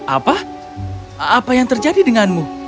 apa apa yang terjadi denganmu